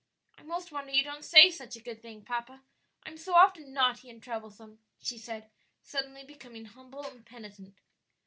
"I 'most wonder you don't say a good thing, papa, I'm so often naughty and troublesome," she said, suddenly becoming humble and penitent.